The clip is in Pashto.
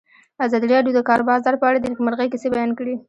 ازادي راډیو د د کار بازار په اړه د نېکمرغۍ کیسې بیان کړې.